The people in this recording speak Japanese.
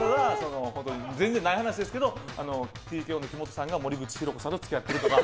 全然ない話ですけどＴＫＯの木本さんが森口博子さんと付き合ってるとか。